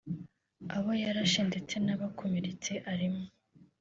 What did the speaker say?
abo yarashe ndetse n’abakomeretse arimo